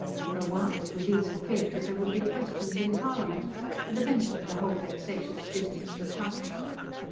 For a while, it was even feared that there would be questions in Parliament, but eventually, the whole vexatious business was hushed.